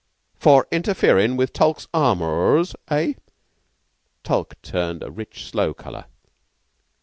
"For interferin' with Tulke's amours, eh?" Tulke turned a rich sloe color.